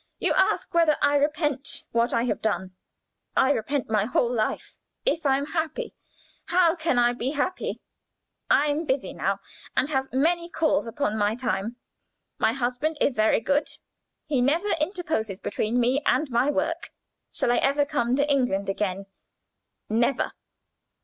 You ask whether I repent what I have done. I repent my whole life. If I am happy how can I be happy? I am busy now, and have many calls upon my time. My husband is very good: he never interposes between me and my work. Shall I ever come to England again? never."